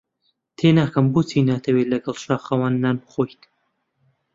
تێناگەم بۆچی ناتەوێت لەگەڵ شاخەوان نان بخۆیت.